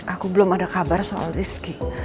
aku belum ada kabar soal rizky